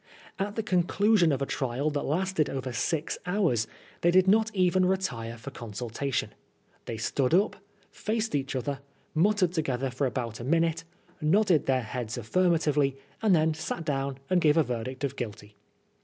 At the conclusion of a trial that lasted over six hours they did not even retire for consultation. They stood up, faced each other, muttered together for about a minute, nodded their heads affirmatively, and then sat down and gave a verdict of guilty.